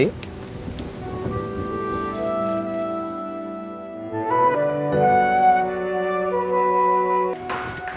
ibu mertua kiki